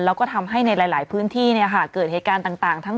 แล้วก็ทำให้ในหลายพื้นที่เกิดเหตุการณ์ต่างทั้ง